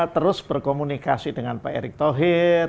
terus berkomunikasi dengan pak erick thohir